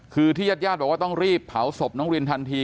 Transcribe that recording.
คือที่ญาติญาติบอกว่าต้องรีบเผาศพน้องรินทันที